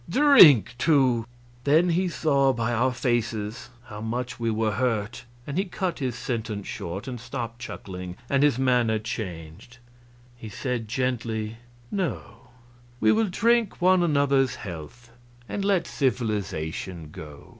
Drink to " Then he saw by our faces how much we were hurt, and he cut his sentence short and stopped chuckling, and his manner changed. He said, gently: "No, we will drink one another's health, and let civilization go.